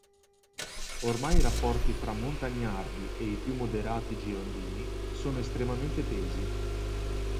Ormai i rapporti fra Montagnardi e i più moderati Girondini sono estremamente tesi.